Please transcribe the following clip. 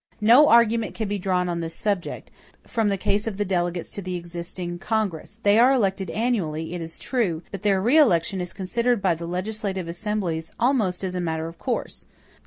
No argument can be drawn on this subject, from the case of the delegates to the existing Congress. They are elected annually, it is true; but their re election is considered by the legislative assemblies almost as a matter of course.